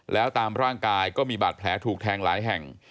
แล้วตามร่างกายก็มีบาดแผลถูกแทงหลายแห่ง